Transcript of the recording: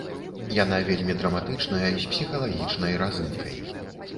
Яна вельмі драматычная, з псіхалагічнай разынкай.